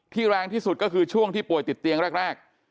แรงที่สุดก็คือช่วงที่ป่วยติดเตียงแรก